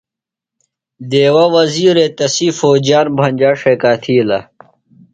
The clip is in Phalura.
دیوہ وزیرے تسی فوجیان بھنجا ݜیکا تِھیلہ۔